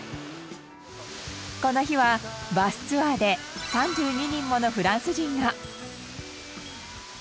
この日はバスツアーで３２人ものフランス人が。